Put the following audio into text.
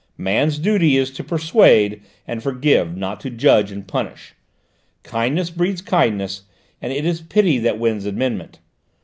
"Man's duty is to persuade and forgive, not to judge and punish. Kindness breeds kindness, and it is pity that wins amendment.